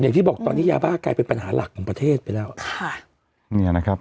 อย่างที่บอกตอนนี้ยาบ้ากลายเป็นปัญหาหลักของประเทศไปแล้วอ่ะค่ะเนี่ยนะครับ